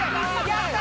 やった！